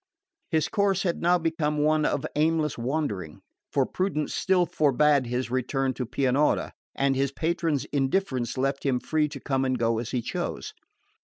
His course had now become one of aimless wandering; for prudence still forbade his return to Pianura, and his patron's indifference left him free to come and go as he chose.